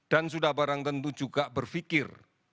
dan sudah barang tentu juga berpikir